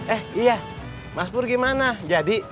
eh iya mas pur gimana jadi